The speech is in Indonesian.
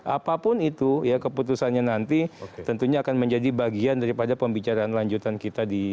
apapun itu ya keputusannya nanti tentunya akan menjadi bagian daripada pembicaraan lanjutan kita di